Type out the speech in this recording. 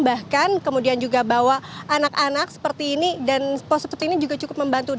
bahkan kemudian juga bawa anak anak seperti ini dan pos seperti ini juga cukup membantu